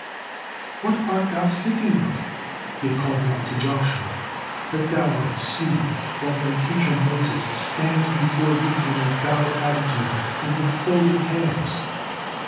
"What art thou thinking of," they called out to Joshua, "that thou art seated, while thy teacher Moses stands before thee in a bowed attitude and with folded hands?"